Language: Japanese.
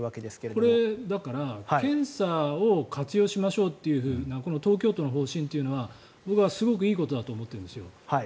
これ、だから検査を活用しましょうというこの東京都の方針は僕はすごくいいことだと思ってるんですよ。